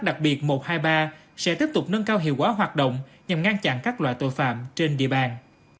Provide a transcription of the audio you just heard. đặc biệt một trăm hai mươi ba sẽ tiếp tục nâng cao hiệu quả hoạt động nhằm ngăn chặn các loại tội phạm trên địa bàn